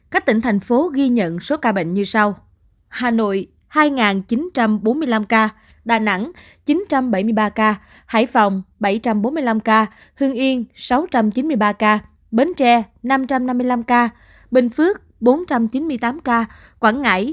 các tỉnh thành phố ghi nhận số ca bệnh như sau